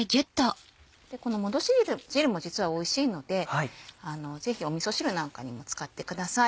この戻し汁も実はおいしいのでぜひみそ汁なんかにも使ってください。